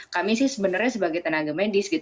kami sih sebenarnya sebagai tenaga medis